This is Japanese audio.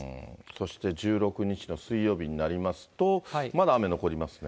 そして１６日の水曜日になりますと、まだ雨残りますね。